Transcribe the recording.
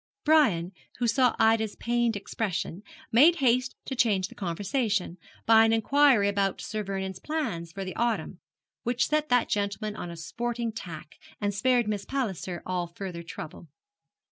Brian, who saw Ida's pained expression, made haste to change the conversation, by an inquiry about Sir Vernon's plans for the autumn, which set that gentleman on a sporting tack, and spared Miss Palliser all further trouble.